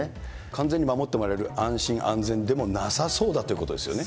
完全に守ってもらえる安心安全でもなさそうだということですよね。